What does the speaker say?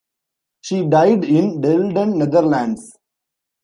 She died in Delden, Netherlands.